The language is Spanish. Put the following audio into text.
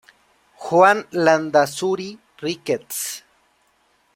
Juan Landázuri Ricketts.